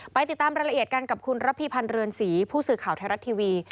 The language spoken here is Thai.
ติดตามรายละเอียดกันกับคุณระพีพันธ์เรือนศรีผู้สื่อข่าวไทยรัฐทีวี